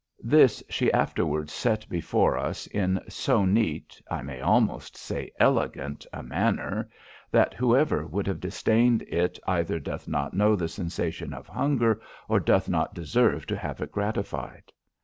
This she afterwards set before us in so neat, I may almost say elegant, a manner, that whoever would have disdained it either doth not know the sensation of hunger, or doth not deserve to have it gratified.